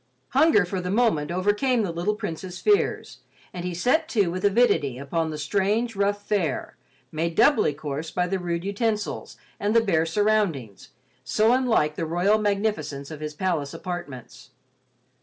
Hunger for the moment overcame the little Prince's fears, and he set to with avidity upon the strange, rough fare, made doubly coarse by the rude utensils and the bare surroundings, so unlike the royal magnificence of his palace apartments.